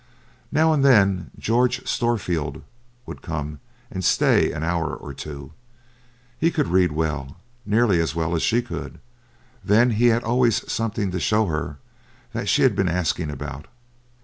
Now and then George Storefield would come and stay an hour or two. He could read well; nearly as well as she could. Then he had always something to show her that she'd been asking about.